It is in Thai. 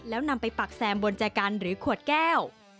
แล้วนำไปปักแซมบนใจกันหรือขวดแก้ว